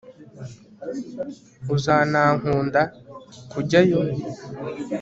uzanankunda? kujyayo